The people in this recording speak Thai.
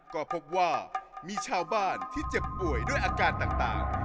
ก็พบว่ามีชาวบ้านที่เจ็บป่วยด้วยอาการต่าง